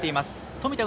富田